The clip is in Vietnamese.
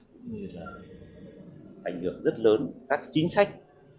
cũng như là ảnh hưởng rất lớn các chính sách